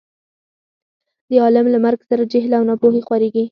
د عالم له مرګ سره جهل او نا پوهي خورېږي.